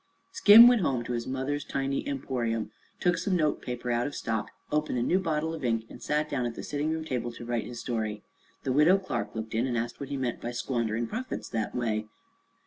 Skim went home to his mother's tiny "Emporium," took some note paper out of stock, opened a new bottle of ink and sat down at the sitting room table to write his story. The Widow Clark looked in and asked what he meant by "squanderin' profits that way."